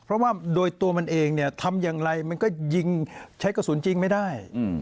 เพราะว่าโดยตัวมันเองเนี่ยทำอย่างไรมันก็ยิงใช้กระสุนจริงไม่ได้